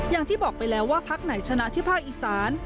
อย่างที่บอกไปแล้วว่าพักไหนชนะที่ภาคอีสาน